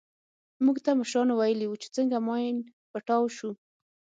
موږ ته مشرانو ويلي وو چې څنگه ماين پټاو سو.